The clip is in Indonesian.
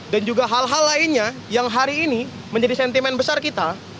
dan juga hal hal lainnya yang hari ini menjadi sentimen besar kita